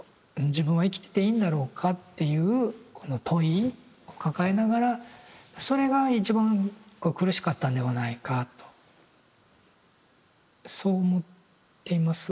「自分は生きてていいんだろうか」っていうこの問いを抱えながらそれが一番苦しかったんではないかとそう思っています。